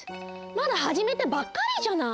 まだはじめたばっかりじゃない。